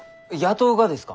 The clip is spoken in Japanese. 雇うがですか？